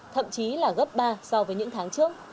thậm chí là gấp ba so với những tháng trước